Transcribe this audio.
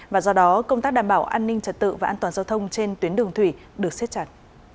và do đó công tác đảm bảo an ninh trật tự và an toàn giao thông trên tuyến đường thủy được xếp chặt